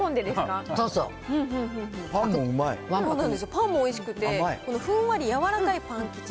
パンもおいしくて、ふんわり柔らかいパン生地